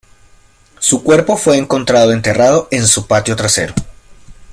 Su cuerpo fue encontrado enterrado en su patio trasero.